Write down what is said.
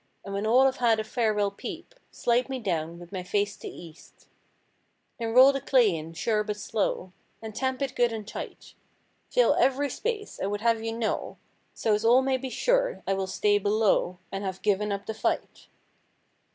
And when all have had a farewell peep. Slide me down with my face to east. Then roll the clay in sure but slow, And tamp it good and tight. Fill every space, I would have you know, So's all may be sure I will stay below. And have given up the fight.